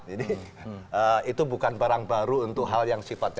jadi itu bukan barang baru untuk hal yang sifatnya